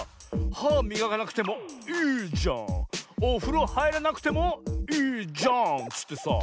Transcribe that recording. はみがかなくてもいいじゃんおふろはいらなくてもいいじゃんっつってさ。